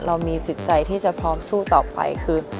เรามีจิตใจที่จะพร้อมสู้ต่อไปคือ